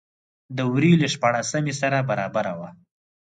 د وري له شپاړلسمې سره برابره وه.